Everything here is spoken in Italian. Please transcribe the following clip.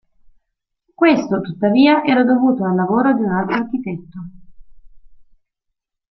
Questo tuttavia era dovuto al lavoro di un altro architetto.